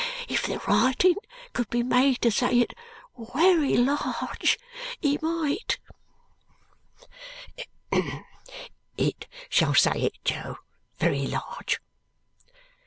If the writin could be made to say it wery large, he might." "It shall say it, Jo. Very large."